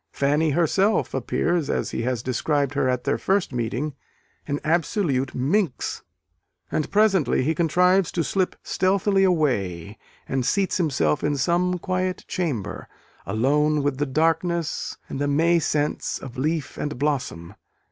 Fanny herself appears, as he has described her at their first meeting, an absolute minx. And presently he contrives to slip stealthily away, and seats himself in some quiet chamber, alone with the darkness and the May scents of leaf and blossom.